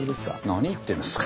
何言ってるんですか？